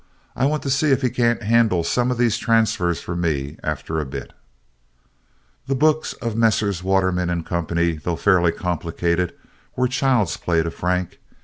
I want to see if he can't handle some of these transfers for me after a bit." The books of Messrs. Waterman & Co., though fairly complicated, were child's play to Frank.